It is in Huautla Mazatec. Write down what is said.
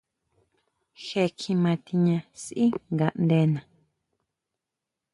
Je kjima tiña sʼí ngaʼndena.